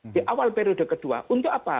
di awal periode kedua untuk apa